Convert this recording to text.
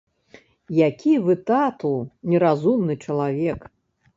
Які вы, тату, неразумны чалавек.